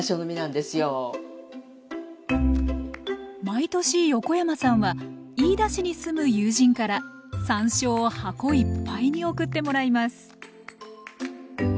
毎年横山さんは飯田市に住む友人から山椒を箱いっぱいに送ってもらいます